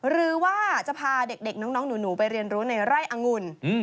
หรือว่าจะพาเด็กน้องหนูไปเรียนรู้ในไร่อังุ่น